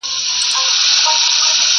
دلته رنګین، رنګین خوبونه لیدل؛